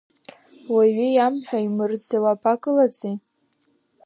Уаҩы иамҳәа, имырӡа уабакылаӡи?